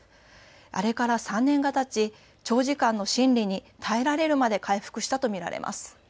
あれから３年がたち長時間の審理に耐えられるまで回復したと見られます。